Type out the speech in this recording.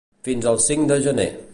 Fins el cinc de gener.